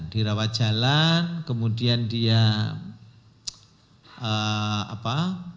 di rawat jalan kemudian dia apa